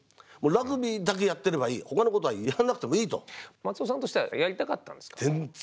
ともかく松尾さんとしてはやりたかったんですか？